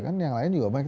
kan yang lain juga banyak